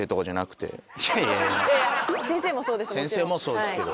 先生もそうですけど。